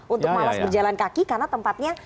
untuk malas berjalan kaki karena tempatnya